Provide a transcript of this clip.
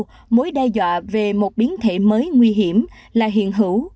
theo người đứng đầu who mối đe dọa về một biến thể mới nguy hiểm là hiện hữu